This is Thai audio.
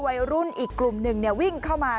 วัยรุ่นอีกกลุ่มหนึ่งวิ่งเข้ามา